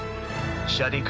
シャディク